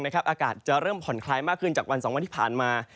อากาศจะเริ่มผ่อนคลายมากขึ้นจากวัน๒วันที่ผ่านมา